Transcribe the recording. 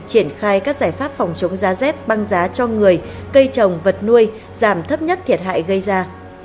triển khai các giải pháp phòng chống giá rét băng giá cho người cây trồng vật nuôi giảm thấp nhất thiệt hại gây ra